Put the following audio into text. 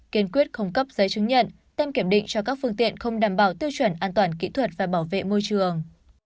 kiên quyết không cấp giấy chứng nhận tem kiểm định cho các phương tiện không đảm bảo tiêu chuẩn an toàn kỹ thuật và bảo vệ môi trường